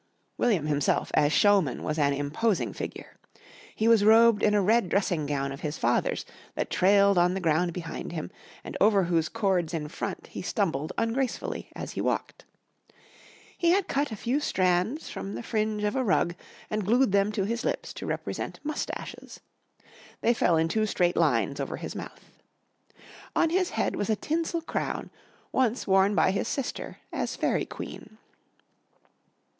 William himself, as showman, was an imposing figure. He was robed in a red dressing gown of his father's that trailed on the ground behind him and over whose cords in front he stumbled ungracefully as he walked. He had cut a few strands from the fringe of a rug and glued them to his lips to represent moustaches. They fell in two straight lines over his mouth. On his head was a tinsel crown, once worn by his sister as Fairy Queen.